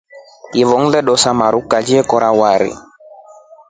Hiyo ngile tosa maru kali ye kora wari.